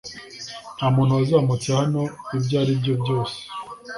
Nta muntu wazamutse hano ibyo ari byo byose